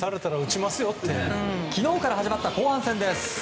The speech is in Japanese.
昨日から始まった後半戦です。